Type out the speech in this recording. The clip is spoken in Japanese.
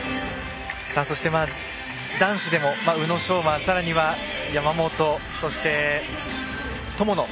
そして、男子でも宇野昌磨さらには、山本、そして友野。